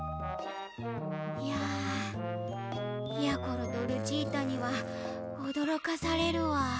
いややころとルチータにはおどろかされるわ。